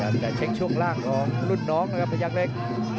จะเช็คช่วงล่างของรุ่นน้องนะครับพยักษ์เล็ก